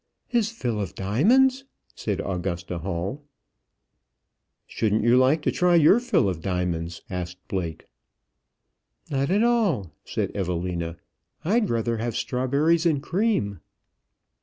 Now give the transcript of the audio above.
"His fill of diamonds!" said Augusta Hall. "Shouldn't you like to try your fill of diamonds?" asked Blake. "Not at all," said Evelina. "I'd rather have strawberries and cream."